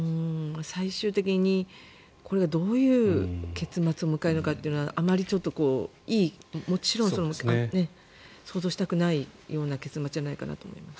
最終的にこれがどういう結末を迎えるのかというのはあまりいい想像したくないような結末じゃないかと思います。